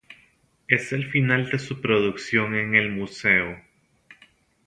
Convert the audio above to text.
Es el final de su producción en el museo.